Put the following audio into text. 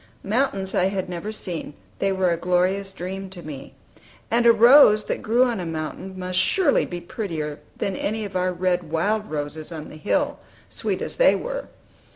Mountains I had never seen; they were a glorious dream to me. And a rose that grew on a mountain must surely be prettier than any of our red wild roses on the hill, sweet as they were.